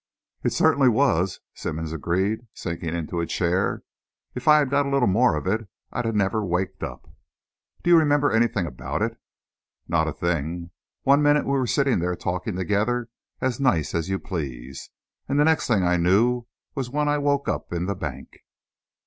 "It certainly was," Simmonds agreed, sinking into a chair. "If I had got a little more of it, I'd never have waked up." "Do you remember anything about it?" "Not a thing. One minute we were sitting there talking together as nice as you please and the next thing I knew was when I woke up in the bank."